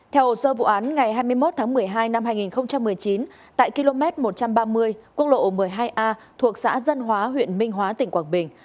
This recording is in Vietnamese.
theo hồ sơ vụ án ngày hai mươi một tháng một mươi hai năm hai nghìn một mươi chín tại km một trăm ba mươi quốc lộ một mươi hai a thuộc xã dân hóa huyện minh hóa tỉnh quảng bình